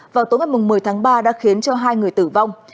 vào tối ngày một mươi tháng ba đã khiến cho hai người tử vong